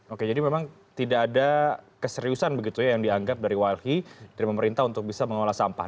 oke jadi memang tidak ada keseriusan begitu ya yang dianggap dari walhi dari pemerintah untuk bisa mengolah sampah